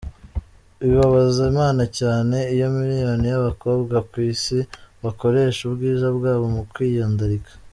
Bibabaza imana cyane iyo millions z’abakobwa ku isi bakoresha ubwiza bwabo mu kwiyandarika.